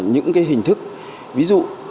những hình thức ví dụ